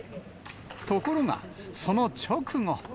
ところが、その直後。